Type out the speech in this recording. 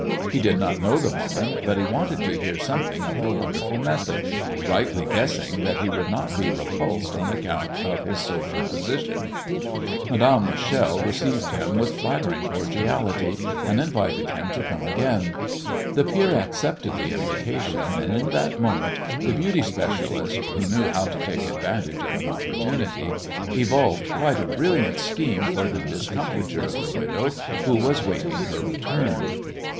He did not know the woman, but he wanted to hear something of her wonderful method, rightly guessing that he would not be repulsed on account of his social position. Madame Rachel received him with flattering cordiality, and invited him to come again. The peer accepted the invitation, and in that moment the "beauty specialist," who knew how to take advantage of an opportunity, evolved quite a brilliant scheme for the discomfiture of the widow who was waiting her return.